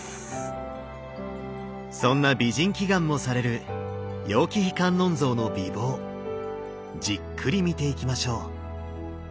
そんな美人祈願もされる楊貴妃観音像の美貌じっくり見ていきましょう。